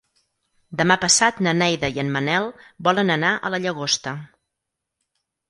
Demà passat na Neida i en Manel volen anar a la Llagosta.